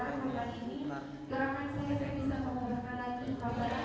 kemudian ini gerakan saya bisa mengumpulkan lagi dua puluh orang